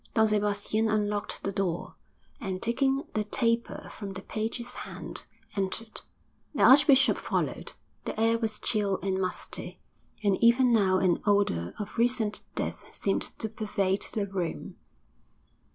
Don Sebastian unlocked the door, and, taking the taper from the page's hand, entered. The archbishop followed. The air was chill and musty, and even now an odour of recent death seemed to pervade the room.